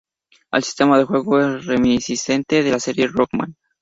El sistema de juego es reminiscente de la serie Rockman.